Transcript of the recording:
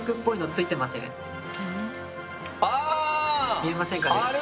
見えませんかね？